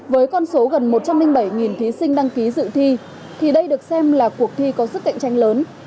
với con số gần một trăm linh bảy thí sinh đăng ký dự thi thì đây được xem là cuộc thi có sức cạnh tranh lớn